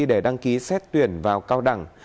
để đăng ký xét tuyển vào cao đẳng